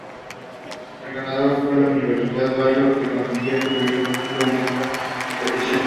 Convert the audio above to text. El ganador fue la Universidad Baylor, que conseguía su primer título en esta competición.